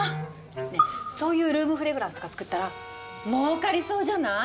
ねえそういうルームフレグランスとか作ったら儲かりそうじゃない？